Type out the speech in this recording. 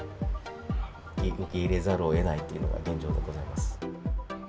受け入れざるをえないというのが現状でございます。